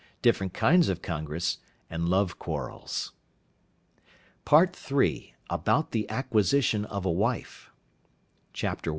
Different kinds of Congress, and Love Quarrels. PART III. ABOUT THE ACQUISITION OF A WIFE. Chapter I.